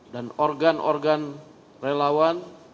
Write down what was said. dan organ organ relawan